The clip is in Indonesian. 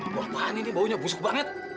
wah wah ini baunya busuk banget